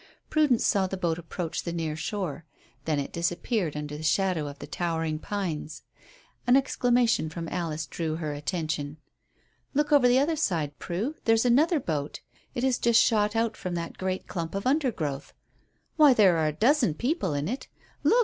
Prudence saw the boat approach the near shore. Then it disappeared under the shadow of the towering pines. An exclamation from Alice drew her attention. "Look over the other side, Prue; there's another boat. It has just shot out from that great clump of undergrowth. Why, there are a dozen people in it. Look!